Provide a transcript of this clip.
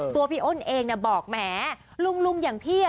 พี่อ้นเองบอกแหมลุงอย่างพี่